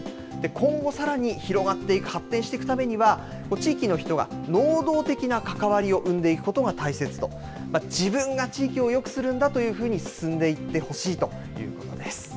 今後さらに、広がっていく、発展していくためには、地域の人が能動的な関わりを生んでいくことが大切と、自分が地域をよくするんだというふうに進んでいってほしいということです。